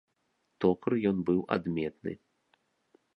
Токар ён быў адметны.